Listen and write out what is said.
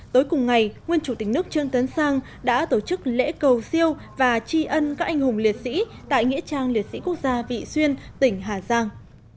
tối cùng ngày nguyên chủ tịch nước trương tấn sang đã tổ chức lễ cầu siêu và tri ân các anh hùng liệt sĩ tại nghĩa trang liệt sĩ quốc gia vị xuyên tỉnh hà giang